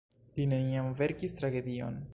Li neniam verkis tragedion.